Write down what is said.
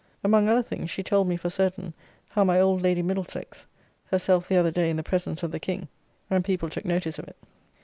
Among other things she told me for certain how my old Lady Middlesex herself the other day in the presence of the King, and people took notice of it.